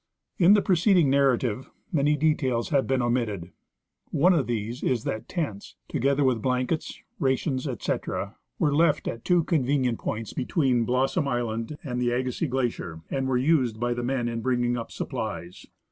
In the preceding narrative many details have been omitted. One of these is that tents, together with blankets, rations, etc., were left at two convenient points between Blossom island and 164 I. C. Russell — Sxpeditiori to Moum St. Ellas. the Agassiz glacier, and were used by the men in bringing up supplies.